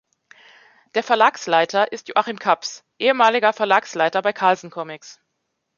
Der Verlagsleiter ist Joachim Kaps, ehemaliger Verlagsleiter bei Carlsen Comics.